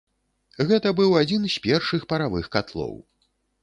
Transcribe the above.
Гэта быў адзін з першых паравых катлоў.